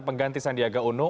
pengganti sandiaga uno